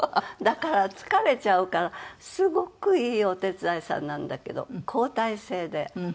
だから疲れちゃうからすごくいいお手伝いさんなんだけど交代制で。